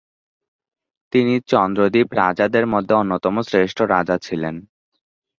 তিনি চন্দ্রদ্বীপ রাজাদের মধ্যে অন্যতম শ্রেষ্ঠ রাজা ছিলেন।